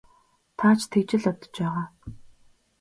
Та ч тэгж л бодож байгаа.